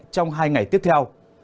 trong hai ngày tiếp theo